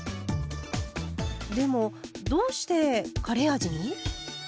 でもどうしてカレー味に？